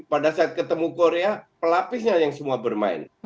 pada saat ketemu korea pelapisnya yang semua bermain